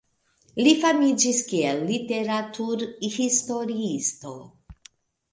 Li famiĝis kiel literaturhistoriisto.